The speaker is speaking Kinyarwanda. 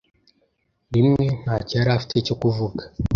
Rimwe, ntacyo yari afite cyo kuvuga.